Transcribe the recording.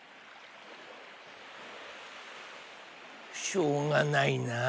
しょうがないな。